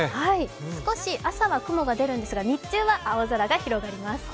少し朝は雲が出るんですが、日中は青空が広がります。